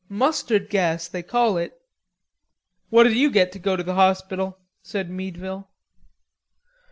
Mustard gas, they call it." "What did you get to go to the hospital?" said Meadville.